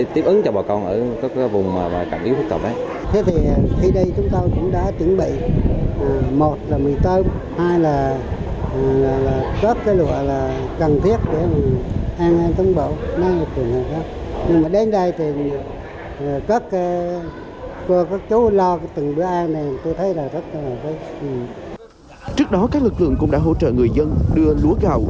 trước đó các lực lượng cũng đã hỗ trợ người dân đưa lúa gạo